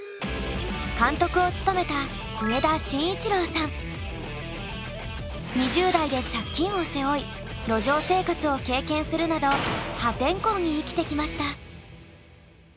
監督を務めた２０代で借金を背負い路上生活を経験するなど破天荒に生きてきました。